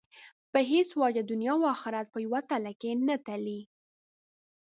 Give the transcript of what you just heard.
په هېڅ وجه دنیا او آخرت په یوه تله کې نه تلي.